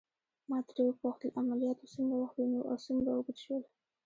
ما ترې وپوښتل: عملياتو څومره وخت ونیو او څومره اوږد شول؟